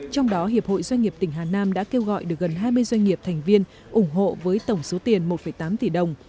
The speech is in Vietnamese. trong đó hiệp hội doanh nghiệp tỉnh hà nam đã kêu gọi được gần hai mươi doanh nghiệp thành viên ủng hộ với tổng số tiền một tám tỷ đồng